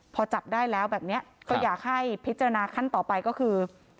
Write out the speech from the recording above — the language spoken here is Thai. พอจับได้แล้วแบบนี้ก็อยากให้พิจารณาขั้นต่อไปก็คือ